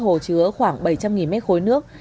hồ chứa khoảng bảy trăm linh m ba nước